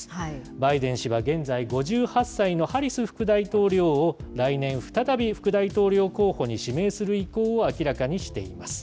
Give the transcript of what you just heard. バイデン氏は現在５８歳のハリス副大統領を来年、再び副大統領候補に指名する意向を明らかにしています。